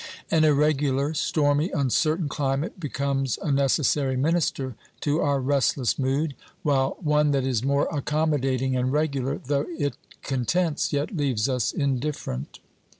An irregular, stormy, uncertain climate becomes a necessary minister to our restless mood, while one that is more accommodating and regular, though it contents, yet leaves us indifferent.